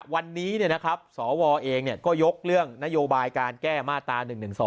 วันนี้สวเองก็ยกเรื่องนโยบายการแก้มาตรา๑๑๒